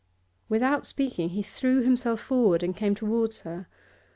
Without speaking, he threw himself forward and came towards her.